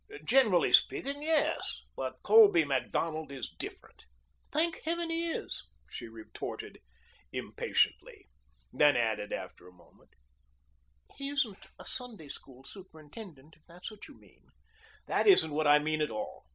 "Generally speaking, yes. But Colby Macdonald is different." "Thank Heaven he is," she retorted impatiently. Then added after a moment: "He isn't a Sunday School superintendent if that's what you mean." "That isn't what I mean at all.